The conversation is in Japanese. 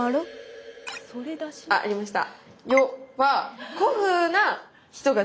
あありました。